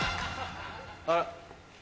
あら？